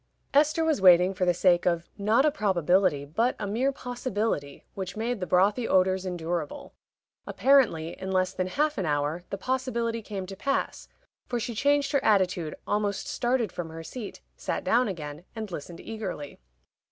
Esther was waiting for the sake of not a probability, but a mere possibility, which made the brothy odors endurable. Apparently, in less than half an hour, the possibility came to pass, for she changed her attitude, almost started from her seat, sat down again, and listened eagerly.